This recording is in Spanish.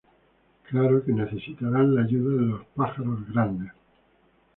Claro, que necesitarán la ayuda de los pájaros grandes.